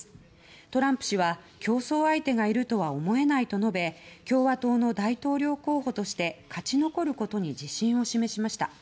トランプ氏は競争相手がいるとは思えないと述べ共和党の大統領候補として勝ち残ることに自信を示しました。